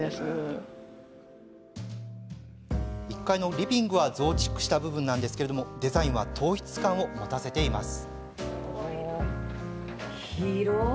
リビングは増築した部分ですがデザインは統一感を持たせています。